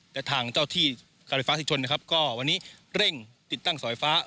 แต่ทางเจ้าที่การไฟฟ้าที่ชนนะครับก็วันนี้เร่งติดตั้งสายฟ้า